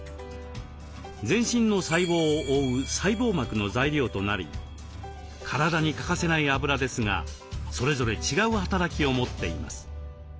全身の細胞を覆う細胞膜の材料となり体に欠かせないあぶらですがそれぞれ違う働きを持っています。